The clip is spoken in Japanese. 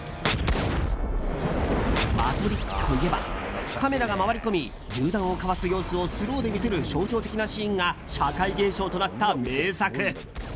「マトリックス」といえばカメラが回り込み銃弾をかわす様子をスローで見せる象徴的なシーンが社会現象となった名作。